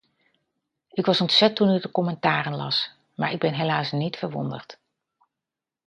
Ik was ontzet toen ik de commentaren las, maar ik ben helaas niet verwonderd.